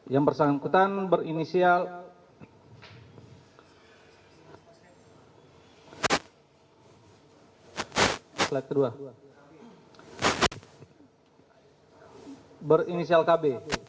yang bersangkutan berinisial kb